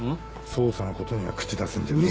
捜査の事には口出すんじゃねえぞ。